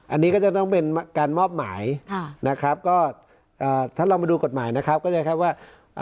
อันนี้ก็จะต้องเป็นการมอบหมายค่ะนะครับก็ถ้าลองมาดูกฎหมายนะครับก็จะแค่ว่า